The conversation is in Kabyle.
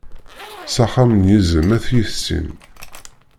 S axxam n yizem ad t-yissin.